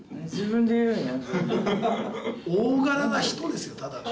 大柄な人ですよただの。